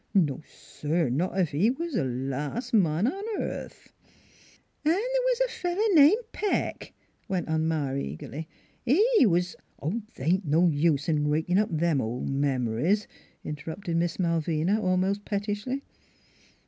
No, sir! not ef he was th' las' man on earth." " An' th' was a feller named Peck," went on Ma eagerly. " He was "" Oh, th' ain't no use in rakin' up them old mem'ries," interrupted Miss Malvina, almost pettishly.